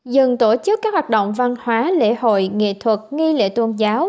dừng tổ chức các hoạt động văn hóa lễ hội nghệ thuật nghi lễ tôn giáo